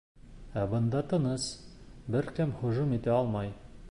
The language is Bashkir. Ә бында тыныс, бер кем һөжүм итә алмай.